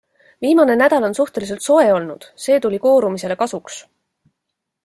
Viimane nädal on suhteliselt soe olnud, see tuli koorumisele kasuks.